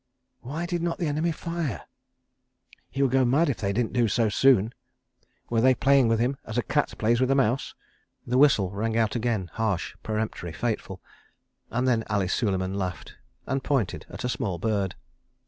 ... Why did not the enemy fire? ... He would go mad if they didn't do so soon. ... Were they playing with him, as a cat plays with a mouse? ... The whistle rang out again, harsh, peremptory, fateful—and then Ali Suleiman laughed, and pointed at a small bird.